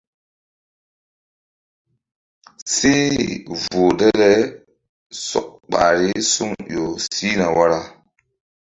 Seh voh dale sɔk ɓahri se suŋ ƴo sihna wara.